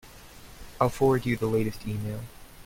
I'll forward you the latest email.